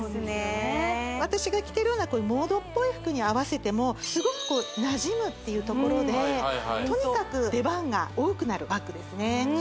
私が着てるようなこういうモードっぽい服に合わせてもすごくこうなじむっていうところでとにかく出番が多くなるバッグですね